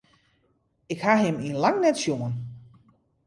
Ik haw him yn lang net sjoen.